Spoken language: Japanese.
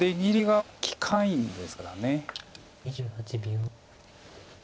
２８秒。